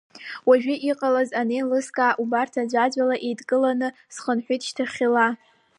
Уажә иҟалаз анеилыскаа, убарҭ аӡәаӡәала еидкыланы схынҳәит шьҭахьла.